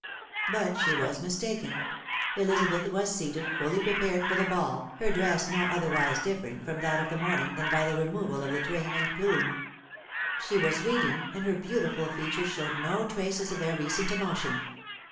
But she ■was mistaken. Elizabeth was seated, fully prepared for the ball, her dress no otherwise differing from that of the morning than by the removal of the train and plume. She was reading, and her beautiful features showed no traces of their recent emotion.